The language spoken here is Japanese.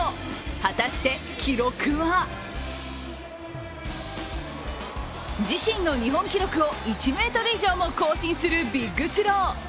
果たして記録は自身の日本記録を１ｍ以上も更新するビッグスロー。